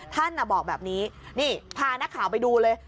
ท่านบอกแบบนี้นี่พานักข่าวไปดูเลย